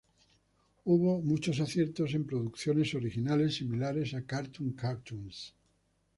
Hubo muchos aciertos en producciones originales similares a Cartoon Cartoons.